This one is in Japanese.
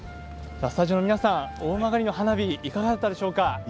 スタジオの皆さん、大曲の花火いかがだったでしょうか？